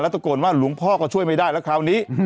ตะโกนว่าหลวงพ่อก็ช่วยไม่ได้แล้วคราวนี้